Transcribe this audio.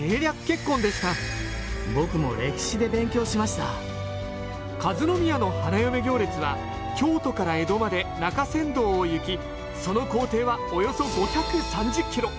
僕も歴史で勉強しました和宮の花嫁行列は京都から江戸まで中山道を行きその行程はおよそ５３０キロ。